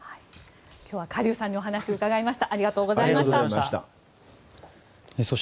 今日はカ・リュウさんにお話を伺いました。